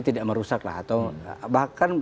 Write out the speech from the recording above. tidak merusak lah atau bahkan